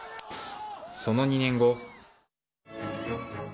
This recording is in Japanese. その２年後。